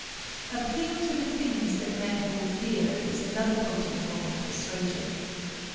Appeal to the things that man holds dear is another potent form of persuasion.